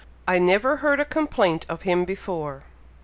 I never heard a complaint of him before!"